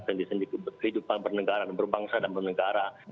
dan di sini kehidupan berbangsa dan bernegara